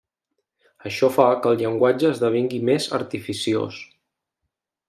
Això fa que el llenguatge esdevingui més artificiós.